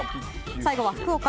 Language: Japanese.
最後は福岡。